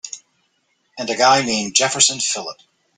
And a guy named Jefferson Phillip.